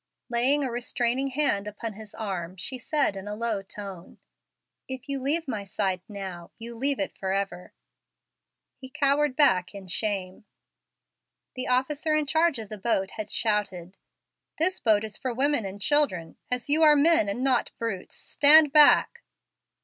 Laying a restraining hand upon his arm, she said, in a low tone, "If you leave my side now, you leave it forever." He cowered back in shame. The officer in charge of the boat had shouted, "This boat is for women and children; as you are men and not brutes, stand back."